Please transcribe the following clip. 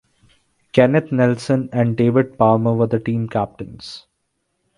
Kenneth Nelson and David Palmer were the team captains.